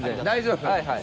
大丈夫？